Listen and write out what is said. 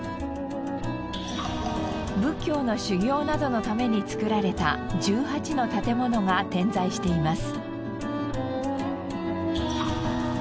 仏教の修行などのために造られた１８の建物が点在しています。